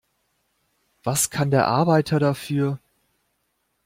Was kann der Arbeiter dafür?